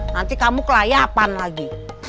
nanti kamu ke layapan lagi